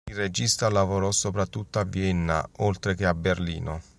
Il regista lavorò soprattutto a Vienna, oltre che a Berlino.